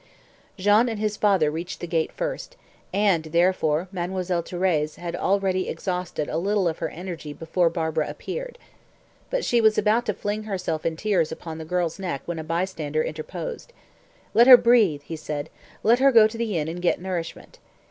Jean and his father reached the gate first, and, therefore, Mademoiselle Thérèse had already exhausted a little of her energy before Barbara appeared. But she was about to fling herself in tears upon the girl's neck when a bystander interposed. "Let her breathe," he said. "Let her go to the inn and get nourishment."